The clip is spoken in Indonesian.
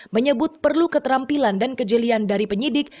menyebut perlu keterampilan dan kejelian dari penyidik